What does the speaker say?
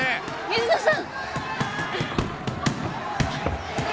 水野さん！